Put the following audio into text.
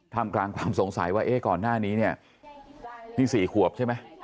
ทำกลางความสงสัยว่าก่อนหน้านี้นี่๔ขวบใช่ไหม